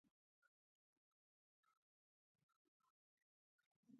تاسو د محض رعیت تر کچې راښکته کیږئ.